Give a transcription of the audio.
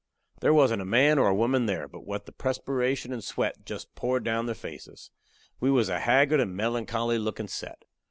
There wasn't a man or a woman there but what the presperation and sweat jest poured down their faces. We was a haggard and melancholy lookin' set.